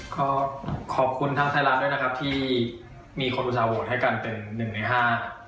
ก็ขอบคุณทางไทยรัฐด้วยนะครับที่มีคนอุตส่าห์โหวตให้กันเป็นหนึ่งในห้า